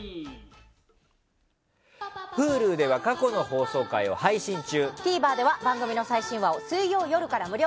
Ｈｕｌｕでは過去の放送を配信中。